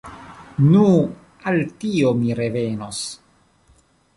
Nu, al tio mi revenos.